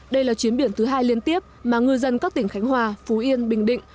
đây là chuyến biển thứ hai liên tiếp mà ngư dân các tỉnh khánh hòa phú yên bình định